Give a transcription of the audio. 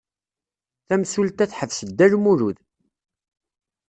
Tamsulta teḥbes Dda Lmulud.